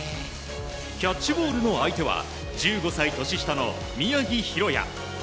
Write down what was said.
キャッチボールの相手は１５歳年下の宮城大弥。